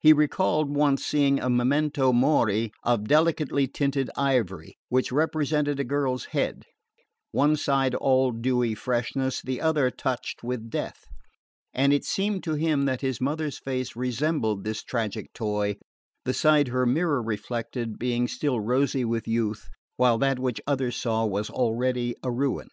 He recalled once seeing a memento mori of delicately tinted ivory, which represented a girl's head, one side all dewy freshness, the other touched with death; and it seemed to him that his mother's face resembled this tragic toy, the side her mirror reflected being still rosy with youth, while that which others saw was already a ruin.